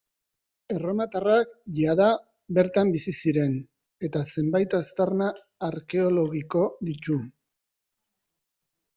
Erromatarrak jada bertan bizi ziren eta zenbait aztarna arkeologiko ditu.